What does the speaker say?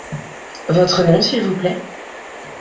Votre nom, s'il vous plait ?